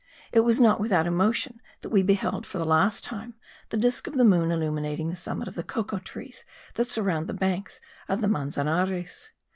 It was not without emotion that we beheld for the last time the disc of the moon illuminating the summit of the cocoa trees that surround the banks of the Manzanares.